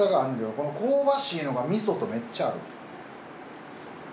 この香ばしいのが味噌とめっちゃ合う。